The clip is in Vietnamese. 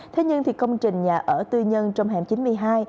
thế nhưng thì công trình nhà ở tư nhân trong hẻm chính phủ